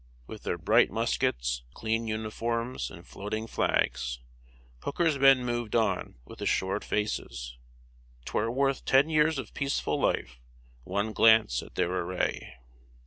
With their bright muskets, clean uniforms, and floating flags, Hooker's men moved on with assured faces. "'Twere worth ten years of peaceful life, One glance at their array."